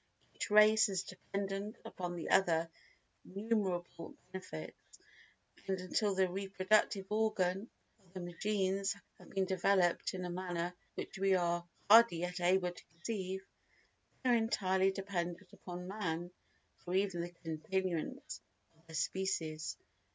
Each race is dependent upon the other for innumerable benefits, and, until the reproductive organs of the machines have been developed in a manner which we are hardly yet able to conceive, they are entirely dependent upon man for even the continuance of their species.